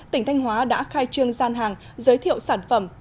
tỉnh thanh hóa đã khai trương gian hàng giới thiệu sản phẩm